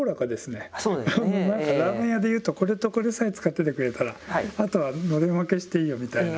ラーメン屋で言うとこれとこれさえ使っててくれたらあとはのれん分けしていいよみたいな。